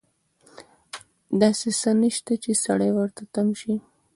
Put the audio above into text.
داسې څه نشته چې سړی ورته تم شي.